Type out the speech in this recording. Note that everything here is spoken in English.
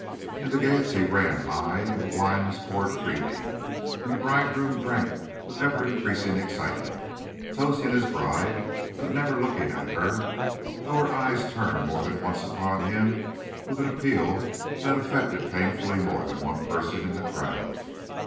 And the gayety ran high and the wine was poured freely, and the bridegroom drank with ever increasing excitement, toasting his bride, but never looking at her, though her eyes turned more than once upon him with an appeal that affected painfully more than one person in the crowd.